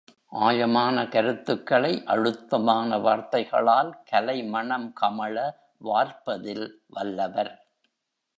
ஆழமான கருத்துக்களை அழுத்தமான வார்த்தைகளால் கலைமணம் கமழ வார்ப்பதில் வல்லவர்.